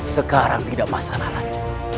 sekarang tidak masalah lagi